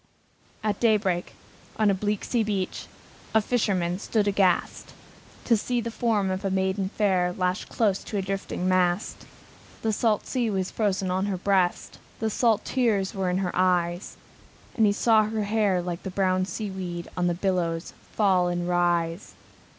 At daybreak, on the bleak sea beach, A fisherman stood aghast, To see the form of a maiden fair Lashed close to a drifting mast. The salt sea was frozed on her breast, The salt tears in her eyes; And he saw her hair, like the brown sea weed, On the billows fall and rise.